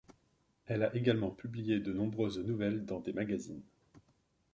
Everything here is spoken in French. Elle a également publié de nombreuses nouvelles dans des magazines.